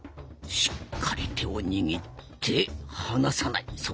しっかり手を握って離さない。